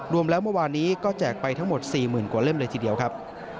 รวมแล้วเมื่อวานนี้ก็แจกไปทั้งหมด๔๐๐๐กว่าเล่มเลยทีเดียวครับ